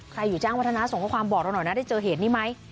อยู่แจ้งวัฒนาส่งข้อความบอกเราหน่อยนะได้เจอเหตุนี้ไหม